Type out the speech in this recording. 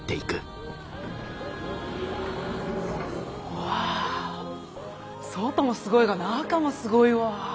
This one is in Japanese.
わ外もすごいが中もすごいわ。